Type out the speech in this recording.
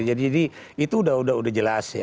jadi itu sudah jelas ya